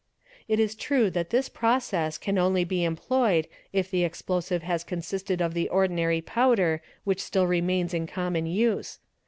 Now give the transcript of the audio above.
It is true that this process can only be employed if the explosive has consisted of the ordinary powder which still remains : in common use.